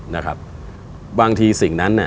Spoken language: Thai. นะครับบางทีสิ่งนั้นน่ะ